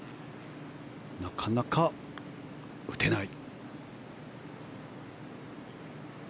なかなか打てない。